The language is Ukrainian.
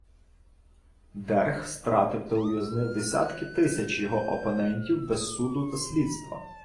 Дерг стратив та ув'язнив десятки тисяч його опонентів без суду та слідства.